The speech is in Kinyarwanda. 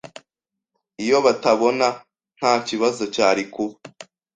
Iyo batabona, ntakibazo cyari kuba.